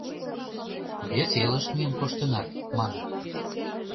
— Вес элыш миен коштынат, маныт.